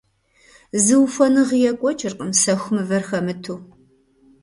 Зы ухуэныгъи екӀуэкӀыркъым сэху мывэр хэмыту.